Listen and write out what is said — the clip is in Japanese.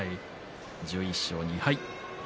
１１勝２敗。